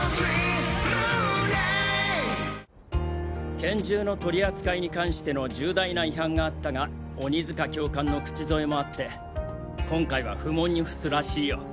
拳銃の取り扱いに関しての重大な違反があったが鬼塚教官の口添えもあって今回は不問に付すらしいよ。